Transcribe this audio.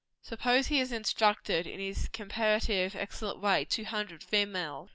Suppose he has instructed, in his comparatively excellent way, two hundred females.